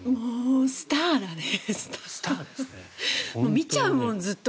見ちゃうもんずっと。